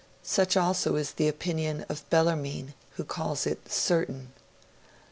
Such also is the opinion of Bellarmine, who calls it certain.